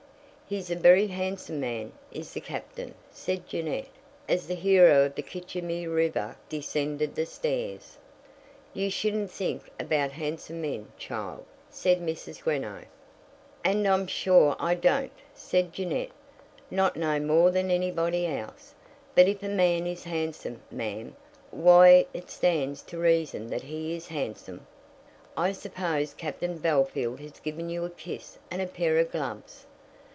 "He's a very handsome man, is the Captain," said Jeannette, as the hero of the Kitchyhomy River descended the stairs. "You shouldn't think about handsome men, child," said Mrs. Greenow. "And I'm sure I don't," said Jeannette. "Not no more than anybody else; but if a man is handsome, ma'am, why it stands to reason that he is handsome." "I suppose Captain Bellfield has given you a kiss and a pair of gloves."